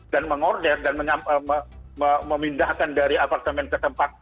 dan mengorder dan memindahkan dari apartemen ke tempat lain